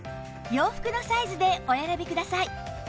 洋服のサイズでお選びください